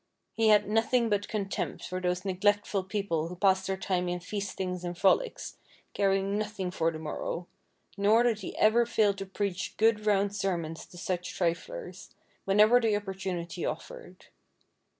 He had nothing but contempt for those neglectful people who passed their time in feastings and frolics, caring nothing for the morrow ; nor did he ever fail to preach good round sermons to such triflers, whenever the opportunity offered.